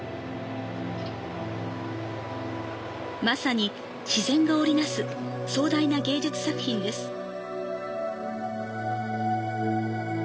まさに、自然が織りなす壮大な芸術作品です。